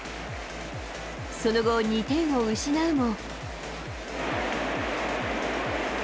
その後、２点を失うも。